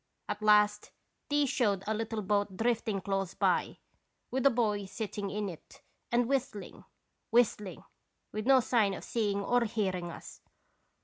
At last these showed a little boat drifting close by, with a boy sitting in it and whistling, whistling, with no sign of seeing or hearing us.